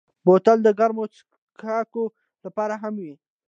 بوتل د ګرمو څښاکو لپاره هم وي.